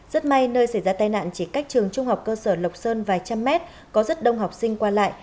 rất may nơi xảy ra tai nạn chỉ cách trường trung học cơ sở lộc sơn vài trăm mét có rất đông học sinh qua lại